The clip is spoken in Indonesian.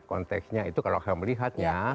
konteksnya itu kalau kamu lihat ya